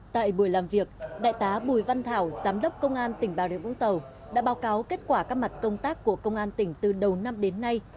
tại buổi làm việc đại tá bùi văn thảo giám đốc công an tỉnh bà rịa vũng tàu đã báo cáo kết quả các mặt công tác của công an tỉnh từ đầu năm đến nay